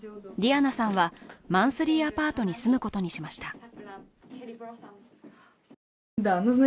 ディアナさんはマンスリーアパートに住むことにしました。